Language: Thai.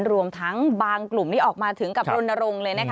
รวมทั้งบางกลุ่มที่ออกมาถึงกับลุณรงช์เลย